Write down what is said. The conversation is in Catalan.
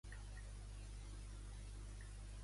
Van rodejar allà on vivia el Papa.